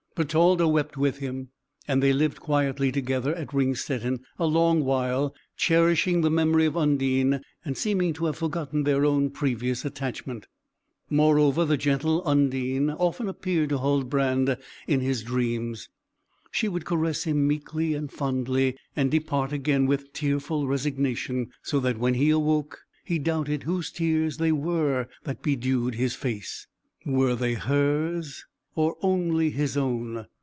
Bertalda wept with him, and they lived quietly together at Ringstetten a long while, cherishing the memory of Undine, and seeming to have forgotten their own previous attachment. Moreover, the gentle Undine often appeared to Huldbrand in his dreams; she would caress him meekly and fondly, and depart again with tearful resignation, so that when he awoke, he doubted whose tears they were that bedewed his face were they hers, or only his own?